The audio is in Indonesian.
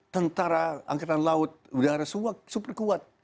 tentara angkatan laut udara super kuat